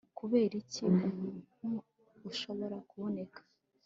kuberiki umutungo ushobora kuboneka